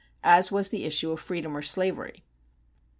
as was the issue of freedom or slavery.